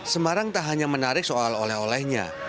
semarang tak hanya menarik soal oleh olehnya